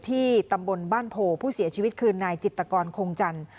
ที่ตำบลบ้านโพผู้เสียชีวิตคือนายจิตกรคงจันทร์